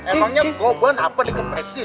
emangnya goboan apa dikepesin